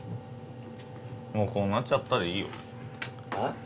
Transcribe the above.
もう「こうなっちゃった」でいいよえっ？